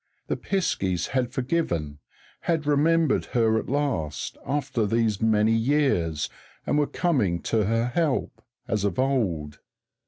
_ The piskies had forgiven, had remembered her at last, after these many years, and were coming to her help, as of old.